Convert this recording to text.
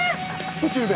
途中で？